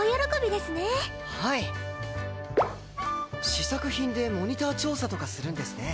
試作品でモニター調査とかするんですね。